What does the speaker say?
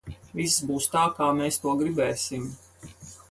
Viss būs tā, kā mēs to gribēsim!